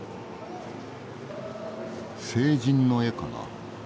聖人の絵かな。